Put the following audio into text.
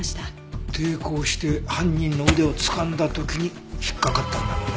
抵抗して犯人の腕をつかんだ時に引っかかったんだろうね。